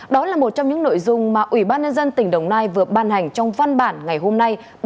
đó là một trong những nội dung mà ủy ban nhân dân tỉnh đồng nai vừa ban hành trong văn bản ngày hôm nay